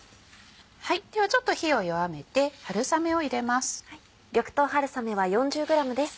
ではちょっと火を弱めて春雨を入れます。